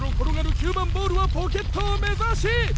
９番ボールはポケットを目指し。